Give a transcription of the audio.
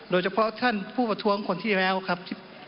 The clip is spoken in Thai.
โดยเฉพาะท่านผู้ประท้วงคนที่แล้วครับ